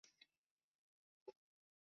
只计算联赛赛事。